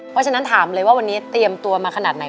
เพราะฉะนั้นถามเลยว่าวันนี้เตรียมตัวมาขนาดไหน